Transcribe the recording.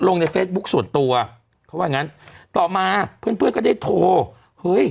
ในเฟซบุ๊คส่วนตัวเขาว่างั้นต่อมาเพื่อนเพื่อนก็ได้โทรเฮ้ย